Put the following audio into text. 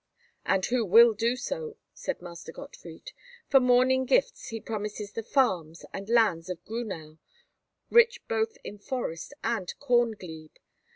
"And who will do so," said Master Gottfried. "For morning gift he promises the farms and lands of Grünau—rich both in forest and corn glebe.